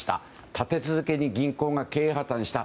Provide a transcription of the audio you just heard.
立て続けに銀行が経営破綻した。